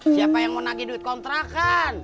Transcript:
siapa yang mau nagih duit kontrakan